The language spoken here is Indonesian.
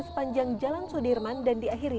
sepanjang jalan sudirman dan diakhiri